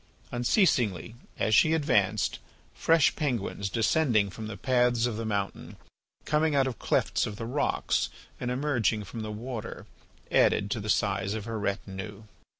Unceasingly, as she advanced, fresh penguins, descending from the paths of the mountain, coming out of clefts of the rocks, and emerging from the water, added to the size of her retinue.